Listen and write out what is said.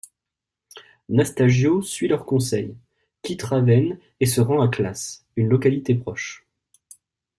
Nastagio suit leur conseil, quitte Ravenne et se rend à Classe, une localité proche.